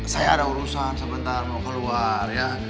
saya ada urusan sebentar mau keluar ya